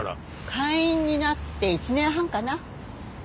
会員になって１年半かな。